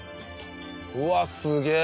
うわっすげえ。